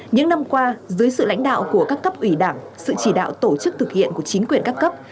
những năm qua dưới sự lãnh đạo của các cấp ủy đảng sự chỉ đạo tổ chức thực hiện của chính quyền các cấp